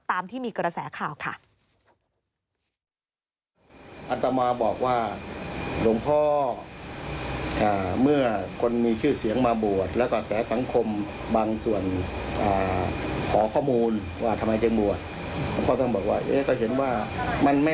ตามที่มีกระแสข่าวค่ะ